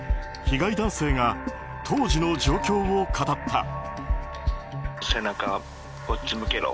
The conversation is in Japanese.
被害男性が当時の状況を語った。